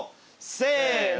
せの。